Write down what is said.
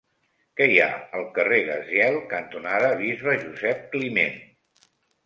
Què hi ha al carrer Gaziel cantonada Bisbe Josep Climent?